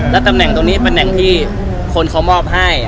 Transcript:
แล้วตำแหน่งตรงนี้เป็นแหล่งที่คนเขามอบให้